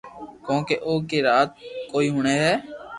ڪونڪھ او ڪي ري وات ڪوئي ھڻي ھي